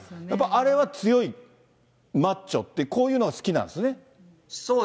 やっぱあれは強い、マッチョって、こういうのが好きなんですね。